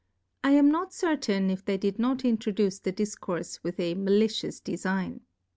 I am not certain, if they did not introduce the Difcourfe with ij. Malicious Defign.